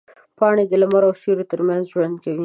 پاڼې د لمر او سیوري ترمنځ ژوند کوي.